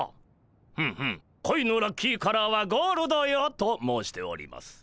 ふむふむ「恋のラッキーカラーはゴールドよ」と申しております。